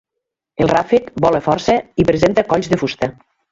El ràfec vola força i presenta colls de fusta.